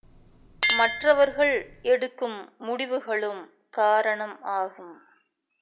மற்றவர்கள் எடுக்கும் முடிவுகளும் காரணம் ஆகும்.